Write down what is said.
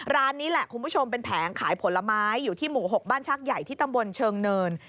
ร้านนี้แหละคุณผู้ชมเป็นแผงขายผลไม้อยู่ที่หมู่๖บ้านชากใหญ่ที่ตำบลเชิงเนิน